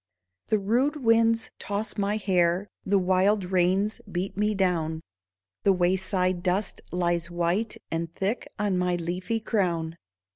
The rude winds toss my hair, The wild rains beat me down. The wayside dust lies white And thick on my leafy crown.